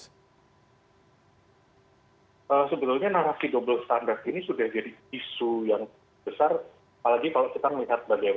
sebenarnya narasi double standard ini sudah jadi isu yang besar